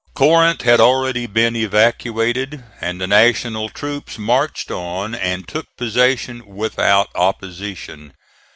Corinth had already been evacuated and the National troops marched on and took possession without opposition.